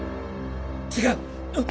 違う！